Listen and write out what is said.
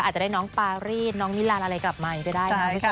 อาจจะได้น้องปารีนน้องนิลาลอะไรกลับมาอีกไปได้นะ